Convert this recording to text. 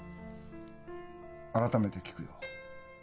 改めて聞くよ。